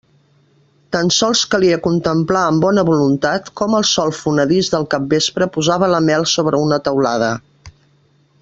Tan sols calia contemplar amb bona voluntat com el sol fonedís del capvespre posava la mel sobre una teulada.